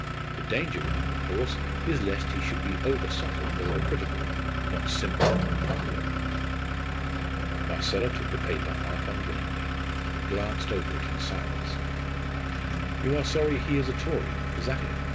The danger with him, of course, is lest he should be over subtle and over critical not simple and popular enough." Marcella took the paper half unwillingly and glanced over it in silence. "You are sorry he is a Tory, is that it?"